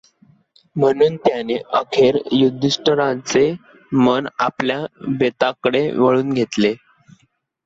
म्हणून त्याने अखेर युधिष्ठिराचे मन आपल्या बेताकडे वळवून घेतले.